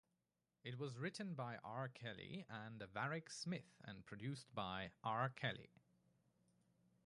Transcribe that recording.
It was written by R. Kelly and Varick Smith and produced by R. Kelly.